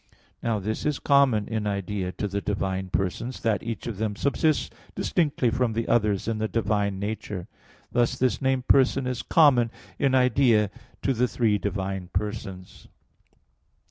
Now this is common in idea to the divine persons, that each of them subsists distinctly from the others in the divine nature. Thus this name "person" is common in idea to the three divine persons.